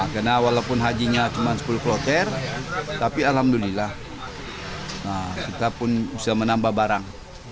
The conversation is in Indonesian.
karena walaupun hajinya cuma sepuluh kloter tapi alhamdulillah kita pun bisa menambah barang